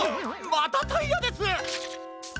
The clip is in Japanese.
またタイヤです！